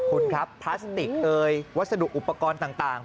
คุณครับพลาสติกเอยวัสดุอุปกรณ์ต่าง